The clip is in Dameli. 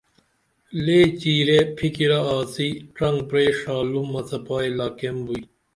لے چیرے فِکِرہ آڅی ڇنگ پرئی ڜالُم اڅپائی لاکیم بوئی